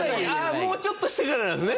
もうちょっとしてからなのね。